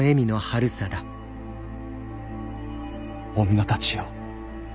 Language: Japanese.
女たちよ。